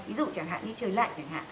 ví dụ chẳng hạn như trời lạnh